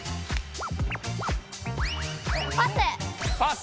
パス。